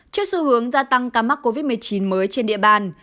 trước xu hướng gia tăng ca mắc covid một mươi chín mới trên địa bàn